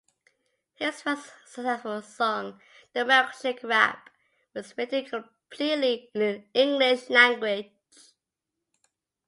His first successful song, "The Milkshake Rap", was written completely in the English language.